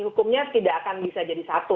hukumnya tidak akan bisa jadi satu